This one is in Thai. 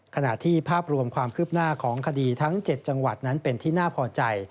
ขณะที่ภาพรวมความคืบหน้าของคดีทั้ง๗จังหวัดนั้นเป็นที่น่าพอใจ